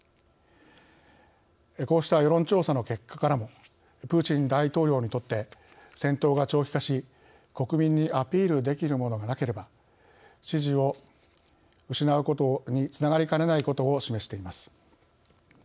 こうした世論調査の結果からもプーチン大統領にとって戦闘が長期化し国民にアピールできるものがなければ支持を失うことにつながりかねないことを示しています。